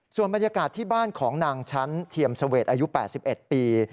ส่วนบรรยากาศที่บ้านของนางชั้นเทียมเสวดอายุ๘๑ปี